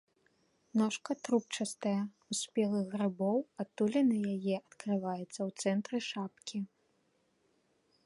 Ножка трубчастая, у спелых грыбоў адтуліна яе адкрываецца ў цэнтры шапкі.